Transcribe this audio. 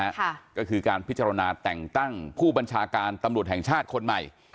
ค่ะก็คือการพิจารณาแต่งตั้งผู้บัญชาการตำรวจแห่งชาติคนใหม่